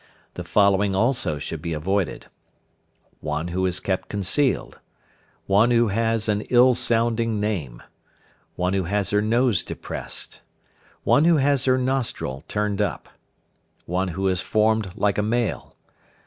The following also should be avoided: One who is kept concealed. One who has an ill sounding name. One who has her nose depressed. One who has her nostril turned up. One who is formed like a male.